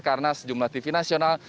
karena sejumlah tv nasional